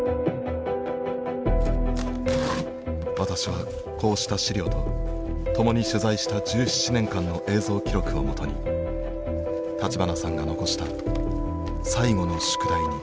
私はこうした資料と共に取材した１７年間の映像記録をもとに立花さんが残した最後の宿題に挑むことにしました。